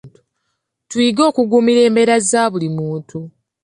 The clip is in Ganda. Tuyige okugumira embeera za buli muntu.